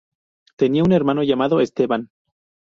Tenía un hermano llamado Esteban.